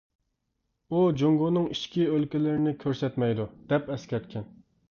ئۇ جۇڭگونىڭ ئىچكى ئۆلكىلىرىنى كۆرسەتمەيدۇ، دەپ ئەسكەرتكەن.